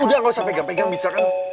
udah gak usah pegang pegang bisa kan